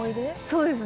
そうですね。